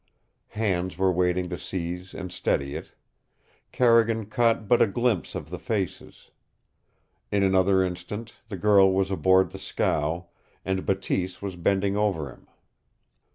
Hands were waiting to seize and steady it. Carrigan caught but a glimpse of the faces. In another instant the girl was aboard the scow, and Bateese was bending over him.